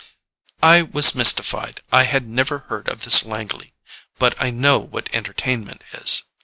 I was mystified. I had never heard of this Langley, but I know what entertainment is.